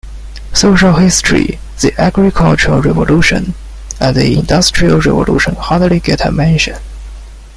Social history, the agricultural revolution, and the industrial revolution hardly get a mention.